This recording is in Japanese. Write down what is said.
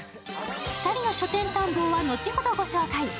２人の書店探訪は後ほどご紹介。